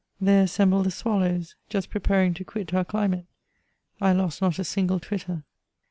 There assembled the swallows, just preparing to quit oui dimate ; I lost not a single twitter.